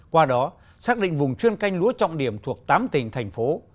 qua đó xác định vùng chuyên canh lúa trọng điểm thuộc tám tỉnh thành phố